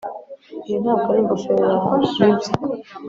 iyo ntabwo ari ingofero yawe, nibyo